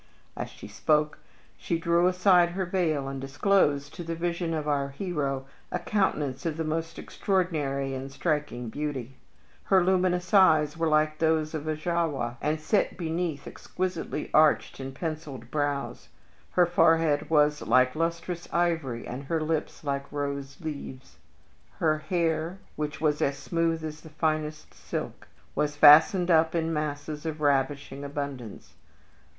As she spoke she drew aside her veil, and disclosed to the vision of our hero a countenance of the most extraordinary and striking beauty. Her luminous eyes were like those of a Jawa, and set beneath exquisitely arched and penciled brows. Her forehead was like lustrous ivory and her lips like rose leaves. Her hair, which was as soft as the finest silk, was fastened up in masses of ravishing abundance.